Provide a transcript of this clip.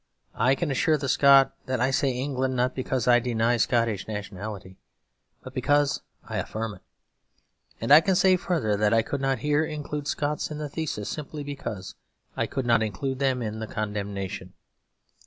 I can assure the Scot that I say "England," not because I deny Scottish nationality, but because I affirm it. And I can say, further, that I could not here include Scots in the thesis, simply because I could not include them in the condemnation.